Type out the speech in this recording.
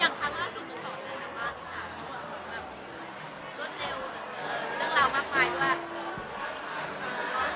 อย่างท้านล่าสุขของสวัสดิ์ธรรม